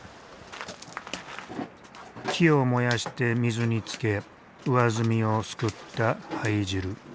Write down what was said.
木を燃やして水につけ上澄みをすくった灰汁。